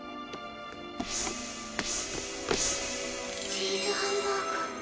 チーズハンバーグ！